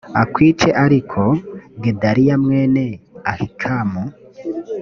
akwice ariko gedaliya mwene ahikamu